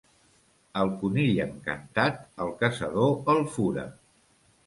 Al conill encantat, el caçador el fura.